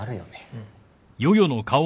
うん。